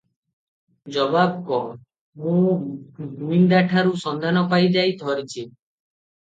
ଜବାବ କଃ - ମୁଁ ଗୁଇନ୍ଦାଠାରୁ ସନ୍ଧାନ ପାଇ ଯାଇ ଧରିଛି ।